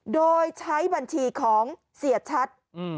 โดยใช้บัญชีของเสียชัด